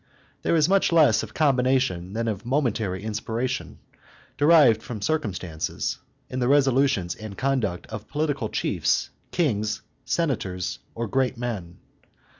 There is much less of combination than of momentary inspiration, derived from circumstances, in the resolutions and conduct of political chiefs, kings, senators, or great men.